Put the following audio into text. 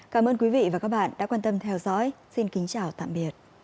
cảm ơn các bạn đã theo dõi và hẹn gặp lại